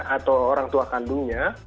atau orang tua kandungnya